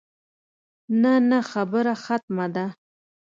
نه نه خبره ختمه ده.